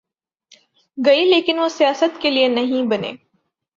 گی لیکن وہ سیاست کے لئے نہیں بنے۔